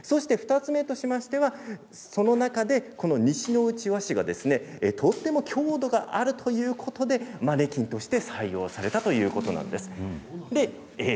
２つ目としましてはその中で西ノ内和紙がとても強度があるということでマネキンとして採用されたということなんです。